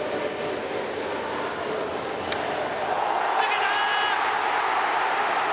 抜けた。